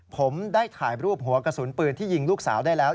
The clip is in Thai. ผมได้ถ่ายรูปหัวกระสุนปืนที่ยิงลูกสาวได้แล้ว